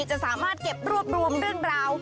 จะสามารถเก็บรวบรวมเรื่องราว